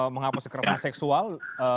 mengapa sekerasan seksual